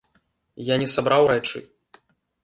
Я не сабраў рэчы.